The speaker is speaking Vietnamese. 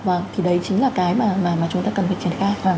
và thì đấy chính là cái mà mà chúng ta cần việc kiểm tra